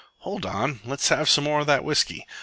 Hold on! Let's have some more of that whisky.